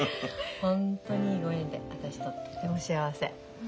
ホントにいいご縁で私とっても幸せ。